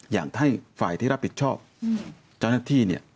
อยากให้ฝ่ายที่รับผิดชอบเจ้าหน้าที่เนี่ย